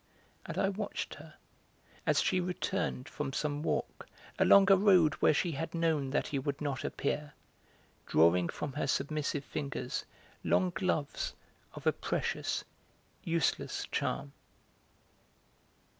And I watched her, as she returned from some walk along a road where she had known that he would not appear, drawing from her submissive fingers long gloves of a precious, useless charm.